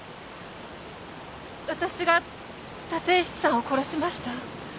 私が立石さんを殺しました。